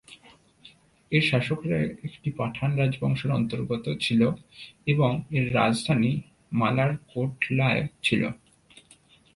এর শাসকরা একটি পাঠান রাজবংশের অন্তর্গত ছিল, এবং এর রাজধানী মালারকোটলায় ছিল।